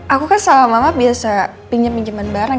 aku kan sama mama biasa pinjem pinjeman barang